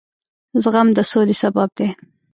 زغم د سولې سبب دی.